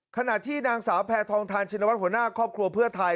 ขณะที่นางสาวแพทองทานชินวัฒนหัวหน้าครอบครัวเพื่อไทย